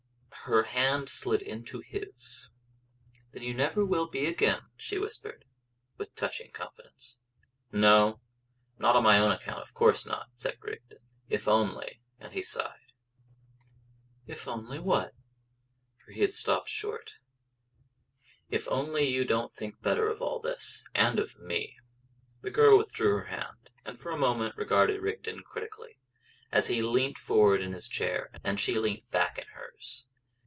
Her hand slid into his. "Then you never will be again," she whispered, with a touching confidence. "No, not on my own account; of course not," said Rigden. "If only " And he sighed. "If only what?" For he had stopped short. "If only you don't think better of all this and of me!" The girl withdrew her hand, and for a moment regarded Rigden critically, as he leant forward in his chair and she leant back in hers.